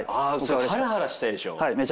ハラハラしたでしょ？